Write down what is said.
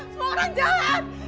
semua orang jahat kenapa ini kunci